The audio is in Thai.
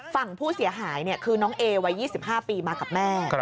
ฝั่งผู้เสียหายคือน้องเอวัย๒๕ปีมากับแม่